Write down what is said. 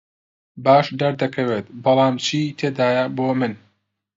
باش دەردەکەوێت، بەڵام چی تێدایە بۆ من؟